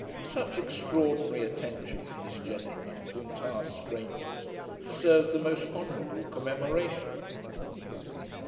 Such extraordinary attention from this gentleman, to entire strangers, deserves the most honourable commemoration.